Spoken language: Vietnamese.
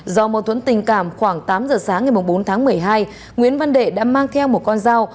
do mâu thuẫn tình cảm khoảng tám giờ sáng ngày bốn tháng một mươi hai nguyễn văn đệ đã mang theo một con dao